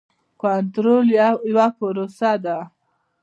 کنټرول یوه پروسه ده.